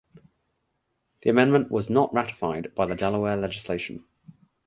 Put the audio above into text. The amendment was not ratified by the Delaware legislation.